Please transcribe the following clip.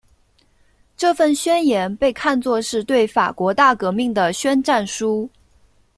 这份宣言被看作是对法国大革命的宣战书。